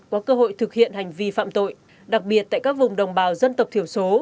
có cơ hội thực hiện hành vi phạm tội đặc biệt tại các vùng đồng bào dân tộc thiểu số